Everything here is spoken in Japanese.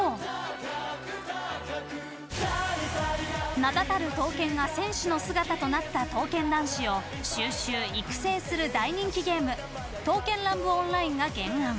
名だたる刀剣が戦士の姿となった刀剣男士を収集、育成する大人気ゲーム「刀剣乱舞‐ＯＮＬＩＮＥ‐」が原案。